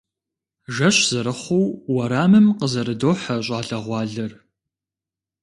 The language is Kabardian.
Жэщ зэрыхъуу уэрамым къызэрыдохьэ щӏалэгъуалэр.